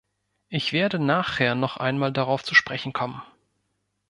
Ich werde nachher noch einmal darauf zu sprechen kommen.